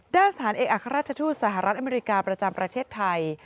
ด้านสถานเอกอัครราชทูตสหรัฐอเมริกาประจำประเทศไทย